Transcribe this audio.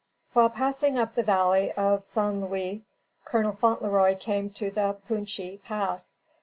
While passing up the valley of San Luis, Colonel Fauntleroy came to the Punchi Pass.